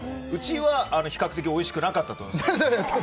うちは比較的おいしくなかったと思います。